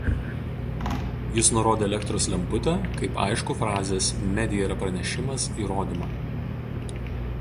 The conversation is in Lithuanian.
Jis nurodė elektros lemputę kaip aiškų frazės „medija yra pranešimas“ įrodymą.